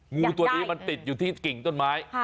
งูตัวนี้มันติดอยู่ที่กิ่งต้นไม้